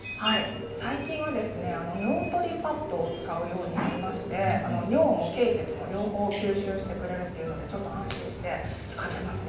最近は尿取りパッドを使うようになりまして尿も経血も両方、吸収してくれるので、安心して使っていますね。